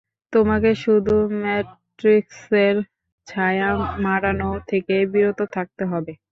তোমাকে শুধু ম্যাট্রিক্সের ছায়া মাড়ানো থেকে বিরত থাকতে হবে।